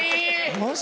マジ！？